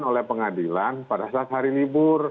oleh pengadilan pada saat hari libur